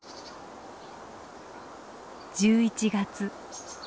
１１月。